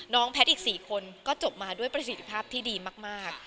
น้องแพทย์อีกสี่คนก็จบมาด้วยประสิทธิภาพที่ดีมากมาก